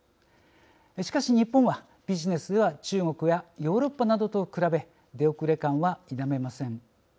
しかし、日本はビジネスでは中国やヨーロッパなどと比べ出遅れ感は否めません。